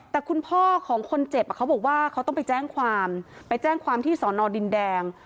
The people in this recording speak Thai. แต่คุณพ่อของคนเจ็บเขาบอกว่าเขาต้องไปแจ้งความไปแจ้งความที่สอนอดินแดง